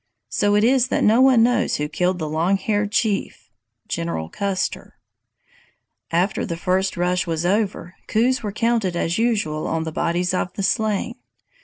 So it is that no one knows who killed the Long Haired Chief [General Custer]. "After the first rush was over, coups were counted as usual on the bodies of the slain.